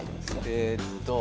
えっと